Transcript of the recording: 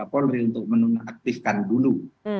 kapolri untuk menonaktifkan dulu